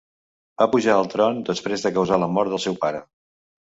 Va pujar al tron després de causar la mort del seu pare.